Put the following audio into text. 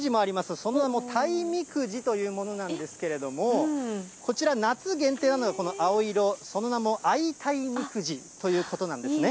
その名も鯛みくじというものなんですけれども、こちら、夏限定なのでこの青色、その名も、あい鯛みくじということなんですね。